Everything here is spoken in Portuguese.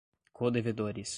codevedores